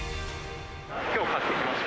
きょう買ってきました。